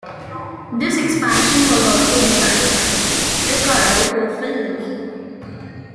This expansion was also designed by Ricardo Bofill Levi.